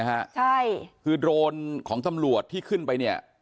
นี่คือโดรนของสำรวจที่ขึ้นไป